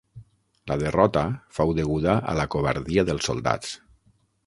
La derrota fou deguda a la covardia dels soldats.